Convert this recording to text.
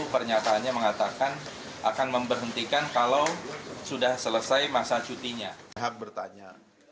pernyataannya mengatakan akan memberhentikan kalau sudah selesai masa cutinya